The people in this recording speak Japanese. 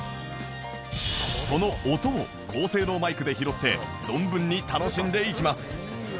その音を高性能マイクで拾って存分に楽しんでいきます